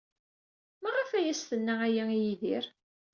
Maɣef ay as-tenna aya i Yidir?